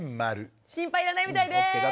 心配いらないみたいです。